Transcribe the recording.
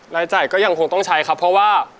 รายจ่ายก็ยังคงต้องใช้ครับเพราะว่า